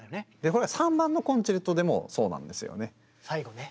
これは３番のコンチェルトでもそうなんですよね。